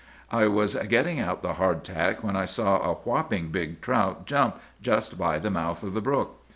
"'I was getting out the hardtack, when I saw a whopping big trout jump, just by the mouth of the brook.